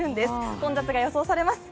混雑が予想されます。